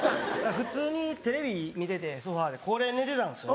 普通にテレビ見ててソファでここで寝てたんですよね。